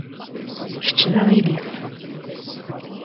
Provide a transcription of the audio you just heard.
Kečč d aɣilif.